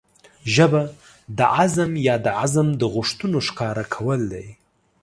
ژبه د عزم يا د عزم د غوښتنو ښکاره کول دي.